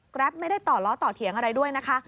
แรปไม่ได้ต่อล้อต่อเถียงอะไรด้วยนะคะ